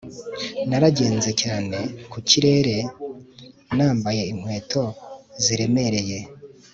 Naragenze cyane ku kirere nambaye inkweto ziremereye